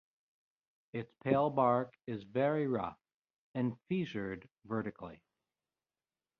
Its pale bark is very rough and fissured vertically.